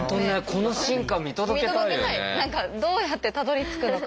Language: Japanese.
何かどうやってたどりつくのか。